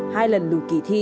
hai lần lùi kỳ thi